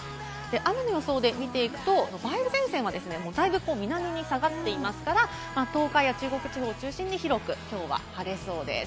雨の予想で見ていくと、梅雨前線がですね、だいぶ南に下がっていますから、東海や中国地方を中心に広くきょうは晴れそうです。